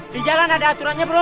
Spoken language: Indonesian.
di jalan ada aturannya bro